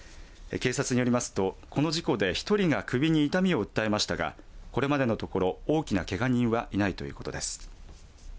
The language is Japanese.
警察によりますと、この事故で１人が首に痛みを訴えましたがこれまでのところ大きなけが人はいないということです。